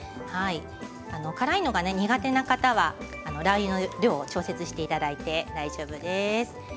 辛いのが苦手な方はラーユの量を調整していただいて大丈夫です。